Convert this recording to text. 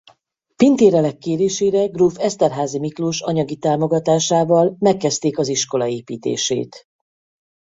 Pintér Elek kérésére gróf Esterházy Miklós anyagi támogatásával megkezdték az iskola építését.